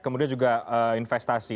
kemudian juga investasi